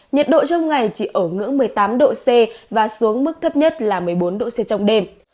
nhiệt độ trong ngày chỉ ở ngưỡng một mươi tám độ c và xuống mức thấp nhất là một mươi bốn độ c trong đêm